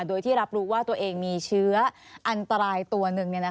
โดยที่รับรู้ว่าตัวเองมีเชื้ออันตรายตัวหนึ่ง